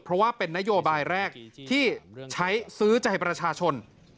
เพราะว่าเป็นนโยบายแรกที่ใช้ซื้อใจประชาชน